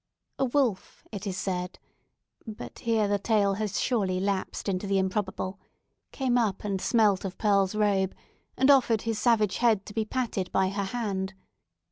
A wolf, it is said—but here the tale has surely lapsed into the improbable—came up and smelt of Pearl's robe, and offered his savage head to be patted by her hand.